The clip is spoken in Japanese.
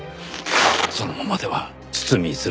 そのままでは包みづらい。